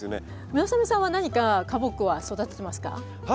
村雨さんは何か花木は育ててますか？